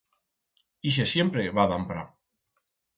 Ixe siempre va d'ampra.